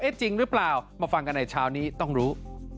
จริงหรือเปล่ามาฟังกันในเช้านี้ต้องรู้